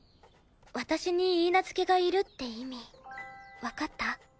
私に許嫁がいるって意味わかった？